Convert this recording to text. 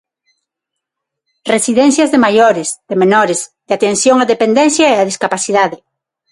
Residencias de maiores, de menores, de atención á dependencia e á discapacidade.